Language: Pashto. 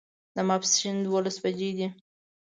ماسپښین دوولس بجې دي